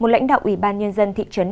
một lãnh đạo ủy ban nhân dân thị trấn